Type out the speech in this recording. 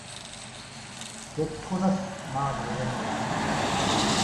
ކެއްކުނަސް މާމީރެއް ނުވާނެ